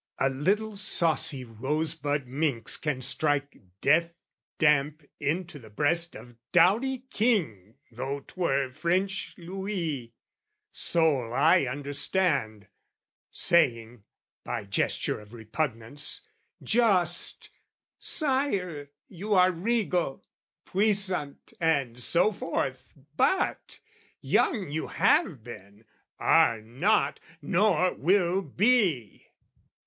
A little saucy rose bud minx can strike Death damp into the breast of doughty king Though 'twere French Louis, soul I understand, Saying, by gesture of repugnance, just "Sire, you are regal, puissant and so forth, "But young you have been, are not, nor will be!"